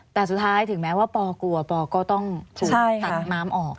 แต่สุดท้ายถึงแม้ว่าปอกลัวปอก็ต้องถูกตัดน้ำออก